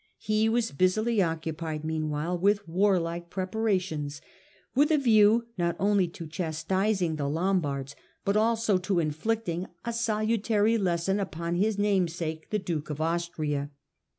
He was busily occupied, meanwhile, with warlike preparations, with a view not only to chastising the Lombards, but also to inflicting a salutary lesson upon his namesake, the Duke of Austria.